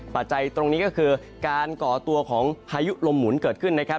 จัยตรงนี้ก็คือการก่อตัวของพายุลมหมุนเกิดขึ้นนะครับ